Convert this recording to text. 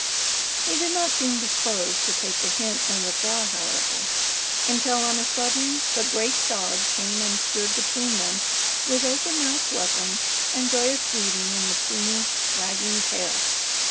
He did not seem disposed to take the hint and withdraw, however, until on a sudden the great dog came and stood between them with open mouthed welcome and joyous greeting in the plumy, wagging tail.